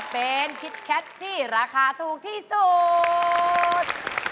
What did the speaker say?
เป็นคิดแคทที่ราคาถูกที่สุด